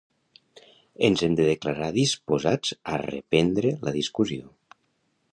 Ens hem de declarar disposats a reprendre la discussió.